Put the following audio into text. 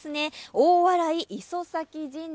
大洗磯前神社